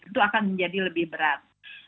itu akan menjadi lebih berat